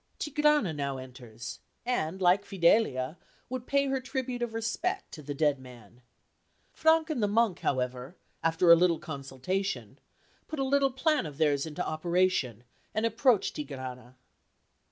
Tigrana now enters, and, like Fidelia, would pay her tribute of respect to the dead man. Frank and the monk, however, after a little consultation, put a little plan of theirs into operation, and approach Tigrana.